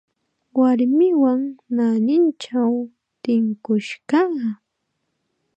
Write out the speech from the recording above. Warmiwan naanichaw tinkush kaa.